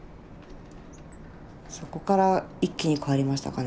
そこから一気に変わりましたかね